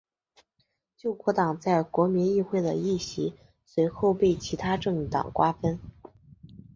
救国党在国民议会的议席随后被其它政党瓜分。